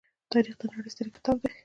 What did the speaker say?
تاریخ د نړۍ ستر کتاب دی.